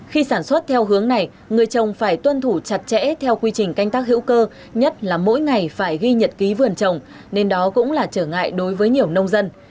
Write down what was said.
khi sản xuất theo hướng này người trồng phải tuân thủ chặt chẽ theo quy trình canh tác hữu cơ nhất là mỗi ngày phải ghi nhật ký vườn trồng nên đó cũng là trở ngại đối với nhiều nông dân